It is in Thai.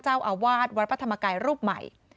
เจ้าอาวาสวัดพระธรรมกายรูปใหม่